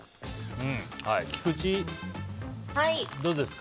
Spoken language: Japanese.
菊地、どうですか？